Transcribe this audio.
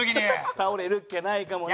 「倒れるっきゃないかもね」